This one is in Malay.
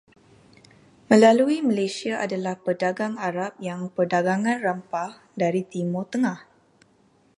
Melalui Malaysia adalah pedagang Arab yang Perdagangan rempah dari Timur Tengah.